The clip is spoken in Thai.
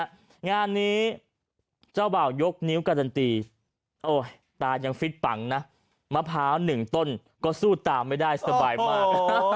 งานนี้เจ้าบ่าวยกนิ้วการันตีโอ้ยตายังฟิตปังนะมะพร้าวหนึ่งต้นก็สู้ตามไม่ได้สบายมาก